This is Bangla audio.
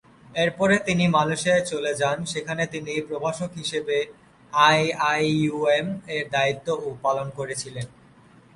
এরপরে তিনি মালয়েশিয়ায় চলে যান, সেখানে তিনি প্রভাষক হিসাবে আইআইইউএম-এর দায়িত্বও পালন করেছিলেন।